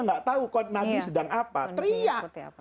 nggak tahu nabi sedang apa teriak